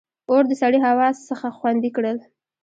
• اور د سړې هوا څخه خوندي کړل.